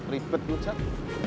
ripe tuh jack